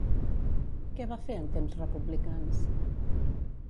Què va fer en temps republicans?